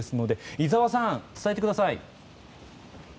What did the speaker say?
井澤さん、伝えてください。